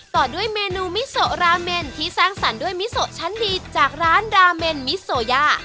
ต่อด้วยเมนูมิโซราเมนที่สร้างสรรค์ด้วยมิโซชั้นดีจากร้านราเมนมิโซยา